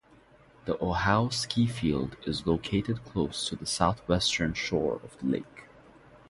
The Ohau ski field is located close to the southwestern shore of the lake.